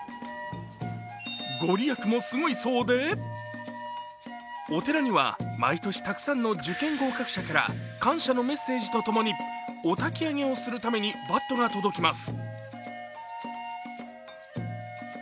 ご利益もすごいそうでお寺には毎年たくさんの受験合格者から感謝のメッセージと共にお焚き上げをするためにバットが届きます。